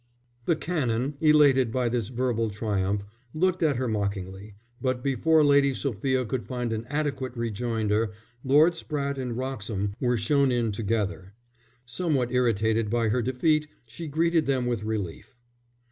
"Humph!" The Canon, elated by this verbal triumph, looked at her mockingly, but before Lady Sophia could find an adequate rejoinder Lord Spratte and Wroxham were shown in together. Somewhat irritated by her defeat she greeted them with relief.